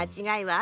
あ！